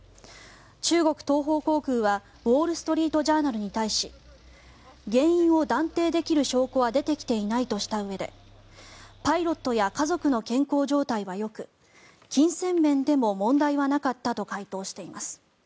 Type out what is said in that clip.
中国東方航空はウォール・ストリート・ジャーナルに対し原因を断定できる証拠は出てきていないとしたうえでパイロットや家族の健康状態はよく金銭面でも問題はなかったと回答しています。